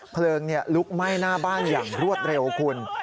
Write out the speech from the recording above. เพลิงลุกไหม้หน้าบ้านอย่างรวดเร็วคุณ